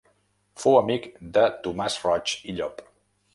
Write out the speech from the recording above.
Fou amic de Tomàs Roig i Llop.